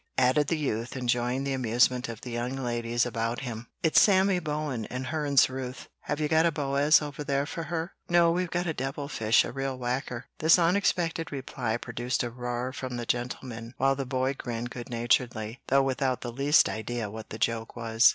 added the youth, enjoying the amusement of the young ladies about him. "It's Sammy Bowen, and hern's Ruth." "Have you got a Boaz over there for her?" "No, we've got a devil fish, a real whacker." This unexpected reply produced a roar from the gentlemen, while the boy grinned good naturedly, though without the least idea what the joke was.